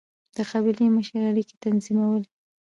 د قبیلې مشر اړیکې تنظیمولې.